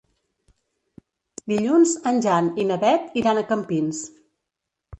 Dilluns en Jan i na Beth iran a Campins.